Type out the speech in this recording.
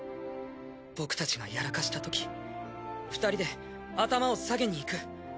僕たちがやらかしたとき２人で頭を下げにいく。